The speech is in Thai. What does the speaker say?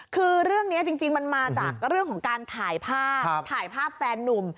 คือเรื่องนี้จริงมันมาจากเรื่องของการถ่ายภาพถ่ายภาพแฟนนุ่ม